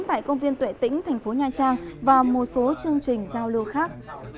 tại công viên tuệ tĩnh thành phố nha trang và một số chương trình giao lưu khác